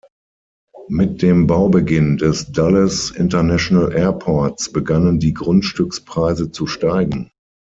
Mit dem Baubeginn des Dulles International Airports begannen die Grundstückspreise zu steigen.